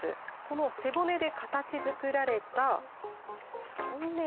この背骨で形づくられたトンネル。